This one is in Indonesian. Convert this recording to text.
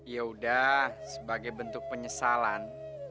yaudah sebagai bentuk penyesalan